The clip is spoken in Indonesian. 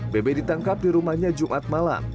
bebe ditangkap di rumahnya jumat malam